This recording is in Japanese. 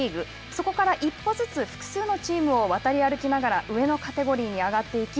そこから一歩ずつ複数のチームを渡り歩きながら上のカテゴリーに上がっていき